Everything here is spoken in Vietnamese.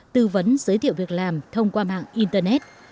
tư vấn giới thiệu việc làm thông qua mạng internet